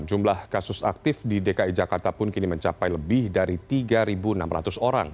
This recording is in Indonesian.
jumlah kasus aktif di dki jakarta pun kini mencapai lebih dari tiga enam ratus orang